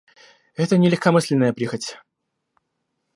Это не легкомысленная прихоть.